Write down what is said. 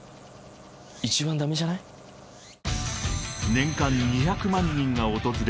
年間２００万人が訪れる